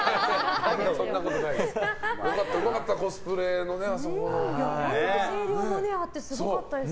そんなことないです。